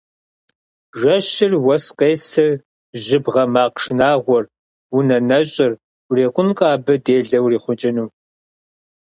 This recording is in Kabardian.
Жэщыр, уэс къесыр, жьыбгъэ макъ шынагъуэр, унэ нэщӏыр – урикъункъэ абы делэ урихъукӏыну!